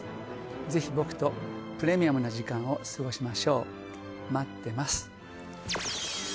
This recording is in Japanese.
ぜひ僕とプレミアムな時間を過ごしましょう待ってます